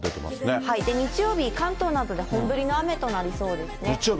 日曜日、関東などで本降りの雨となりそうですね。